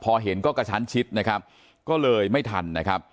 พอเห็นก็กระชั้นชิดนะครับก็เลยไม่ทันนะครับ